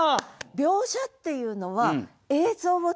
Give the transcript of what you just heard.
描写っていうのは映像をつくる。